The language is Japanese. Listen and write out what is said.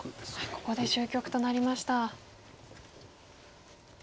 ここで終局となりました。